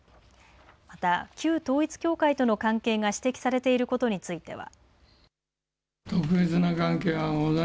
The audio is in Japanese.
また、旧統一教会との関係が指摘されていることについては。